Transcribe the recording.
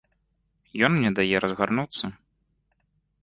Ён мне дае разгарнуцца.